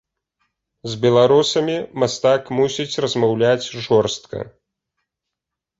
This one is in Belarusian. З беларусамі мастак мусіць размаўляць жорстка.